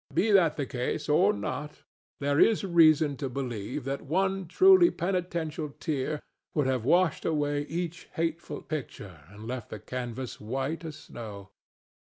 Be that the case or not, there is reason to believe that one truly penitential tear would have washed away each hateful picture and left the canvas white as snow.